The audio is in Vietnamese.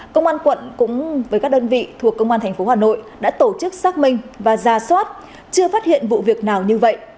công an quận cũng với các đơn vị thuộc công an tp hà nội đã tổ chức xác minh và ra soát chưa phát hiện vụ việc nào như vậy